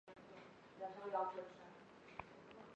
出身于茨城县。